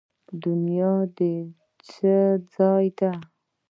دنیا د څه ځای دی؟